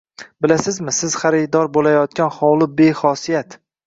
Bilasizmi, siz xaridor bo`layotgan hovli bexosiyat